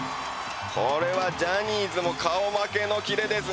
これはジャニーズも顔負けのキレです